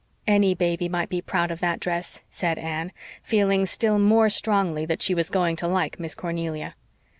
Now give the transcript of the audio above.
"Any baby might be proud of that dress," said Anne, feeling still more strongly that she was going to like Miss Cornelia.